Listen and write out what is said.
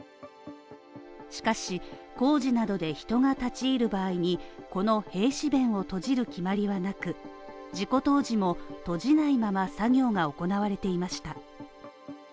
しかし工事などで人が立ちいる場合に、この閉止弁を閉じる決まりはなく、事故当時も閉じないまま作業が行われていました。